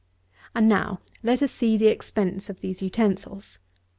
And, now, let us see the expense of these utensils.